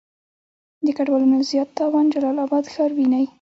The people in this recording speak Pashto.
د ګډوالو نه زيات تاوان جلال آباد ښار وينئ.